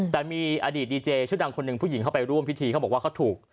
แต่มีอดีตดีเจชื่อดังคนหนึ่งผู้หญิงเข้าไปร่วมพิธีเขาบอกว่าเขาถูก